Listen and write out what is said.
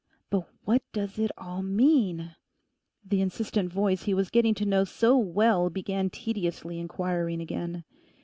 'But what does it all mean?' the insistent voice he was getting to know so well began tediously inquiring again.